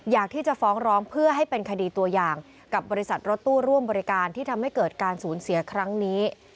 อยากที่จะฟ้องร้องเพื่อให้เป็นคดีตัวอย่างกับบริษัทรถตู้ร่วมบริการที่ทำให้เกิดการสูญเสียครั้งนี้